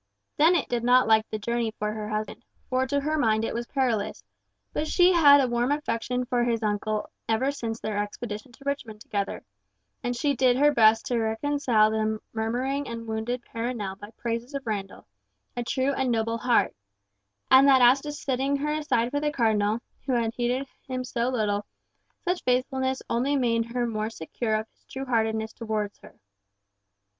Dennet did not like the journey for her husband, for to her mind it was perilous, but she had had a warm affection for his uncle ever since their expedition to Richmond together, and she did her best to reconcile the murmuring and wounded Perronel by praises of Randall, a true and noble heart; and that as to setting her aside for the Cardinal, who had heeded him so little, such faithfulness only made her more secure of his true heartedness towards her.